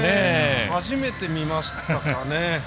初めて見ましたかね。